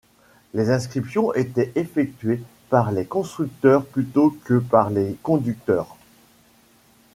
Les inscriptions étaient effectuées par les constructeurs plutôt que par conducteurs.